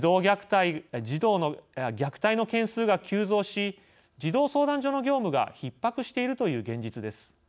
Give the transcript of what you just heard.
虐待の件数が急増し児童相談所の業務がひっ迫しているという現実です。